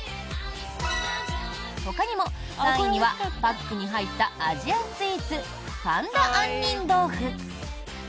ほかにも、３位にはパックに入ったアジアンスイーツパンダ杏仁豆腐。